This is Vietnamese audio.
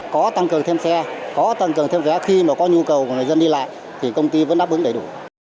có tăng cường thêm xe có tăng cường thêm vé khi mà có nhu cầu của người dân đi lại thì công ty vẫn đáp ứng đầy đủ